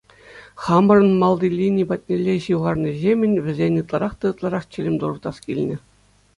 Хамӑрӑн малти лини патнелле ҫывхарнӑҫемӗн вӗсен ытларах та ытларах чӗлӗм туртас килнӗ.